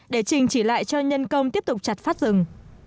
để trình chỉ lại cho nhân công tiếp tục chặt phát rừng